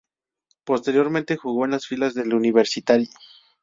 Posteriormente jugó en las filas del Universitari.